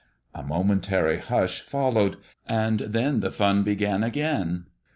A momentary hush followed, and then the fun began again.